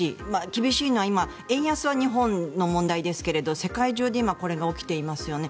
厳しいのは今、円安は日本の問題ですけど世界中で今これが起きていますよね。